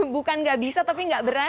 bukan tidak bisa tapi tidak berani